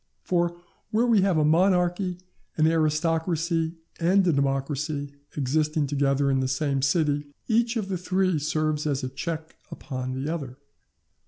For where we have a monarchy, an aristocracy, and a democracy existing together in the same city, each of the three serves as a check upon the other.